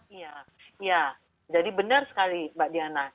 iya jadi benar sekali mbak diana